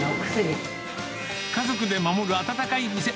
家族で守る温かい店。